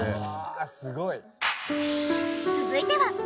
続いては。